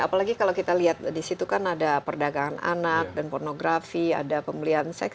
apalagi kalau kita lihat di situ kan ada perdagangan anak dan pornografi ada pembelian seks